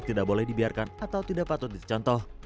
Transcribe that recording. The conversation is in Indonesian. tidak boleh dibiarkan atau tidak patut dicontoh